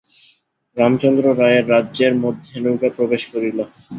রামচন্দ্র রায়ের রাজ্যের মধ্যে নৌকা প্রবেশ করিল।